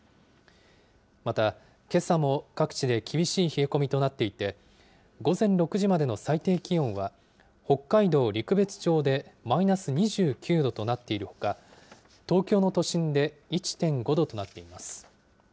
また、けさも各地で厳しい冷え込みとなっていて、午前６時までの最低気温は、北海道陸別町でマイナス２９度となっているほか、東京の都心で１．５度となっています。